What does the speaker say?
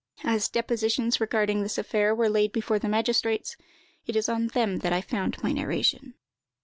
As depositions regarding this affair were laid before the magistrates, it is on them I found my narration.